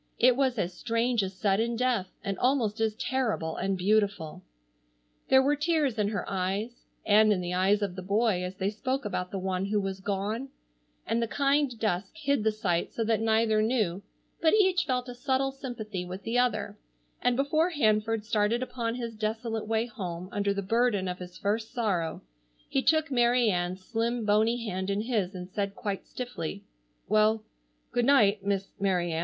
It was as strange as sudden death, and almost as terrible and beautiful. There were tears in her eyes, and in the eyes of the boy as they spoke about the one who was gone, and the kind dusk hid the sight so that neither knew, but each felt a subtle sympathy with the other, and before Hanford started upon his desolate way home under the burden of his first sorrow he took Mary Ann's slim bony hand in his and said quite stiffly: "Well, good night, Miss Mary Ann.